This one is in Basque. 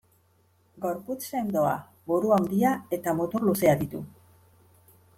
Gorputz sendoa, buru handia eta mutur luzea ditu.